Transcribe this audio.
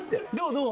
どう？